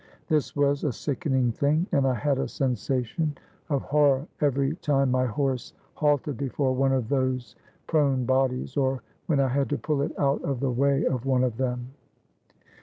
This was 449 THE BALKAN STATES a sickening thing, and I had a sensation of horror every time my horse halted before one of those prone bodies, or when I had to pull it out of the way of one of them.